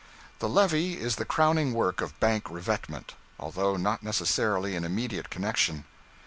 The levee is the crowning work of bank revetment, although not necessarily in immediate connection.